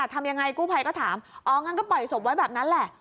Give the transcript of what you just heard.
ทำยังไงกู้ภัยก็ถามอ๋องั้นก็ปล่อยศพไว้แบบนั้นแหละ